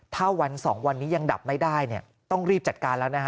ถ้าวัน๒วันนี้ยังดับไม่ได้ต้องรีบจัดการแล้วนะฮะ